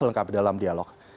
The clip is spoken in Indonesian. selengkapi dalam dialog